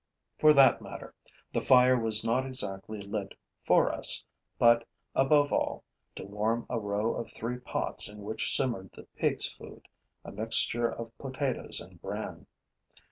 For that matter, the fire was not exactly lit for us, but, above all, to warm a row of three pots in which simmered the pigs' food, a mixture of potatoes and bran.